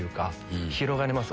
広がります